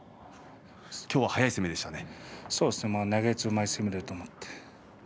今日は速い攻めでしたね。